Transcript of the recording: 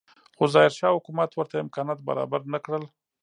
خو ظاهرشاه حکومت ورته امکانات برابر نه کړل.